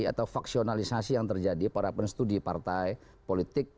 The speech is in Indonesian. atau faksionalisasi yang terjadi para pen study partai politik